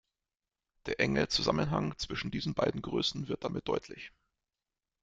Der enge Zusammenhang zwischen diesen beiden Größen wird damit deutlich.